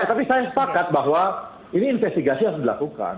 tapi saya sepakat bahwa ini investigasi harus dilakukan